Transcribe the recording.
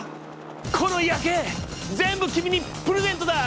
この夜景全部君にプレゼントだ！